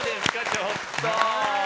ちょっと。